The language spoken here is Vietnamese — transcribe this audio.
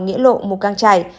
nghĩa lộ mục cang trải